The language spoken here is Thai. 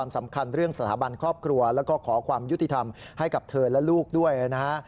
มึงจะทำอะไรให้มันเกิดเหตุการณ์อะไร